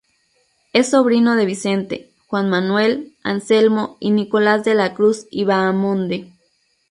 Es sobrino de Vicente, Juan Manuel, Anselmo y Nicolás de la Cruz y Bahamonde.